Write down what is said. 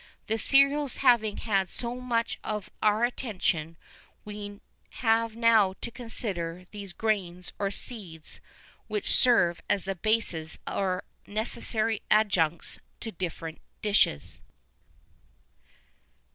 The cereals having had so much of our attention, we have now to consider those grains or seeds which serve as the bases or necessary adjuncts to different dishes.